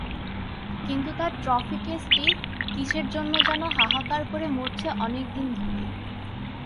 কিন্তু তাঁর ট্রফি-কেসটি যেন কিসের অভাবে হাহাকার করে মরছে অনেক দিন ধরেই।